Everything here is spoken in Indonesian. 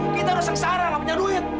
kita rusak seharang gak punya duit